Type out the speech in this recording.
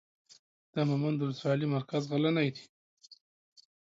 د مومند اولسوالۍ مرکز غلنۍ دی.